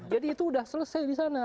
jadi itu sudah selesai di sana